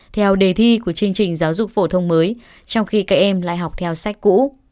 theo đề thi của chương trình giáo dục phổ thông mới trong khi các em lại học theo sách cũ